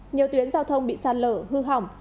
nhiều tuyến giao thông bị sạt lở hư hỏng